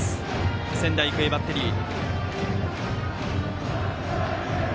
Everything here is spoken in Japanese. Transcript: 仙台育英バッテリー。